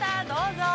どうぞ。